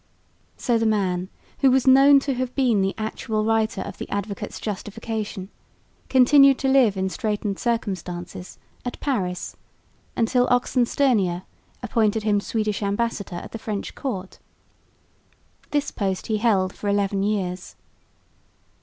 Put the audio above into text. So the man, who was known to have been the actual writer of the Advocate's Justification, continued to live in straitened circumstances at Paris, until Oxenstierna appointed him Swedish ambassador at the French court. This post he held for eleven years.